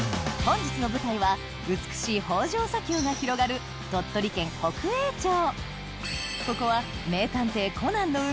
本日の舞台は美しい北条砂丘が広がる鳥取県北栄町